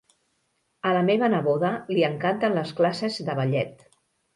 A la meva neboda li encanten les classes de ballet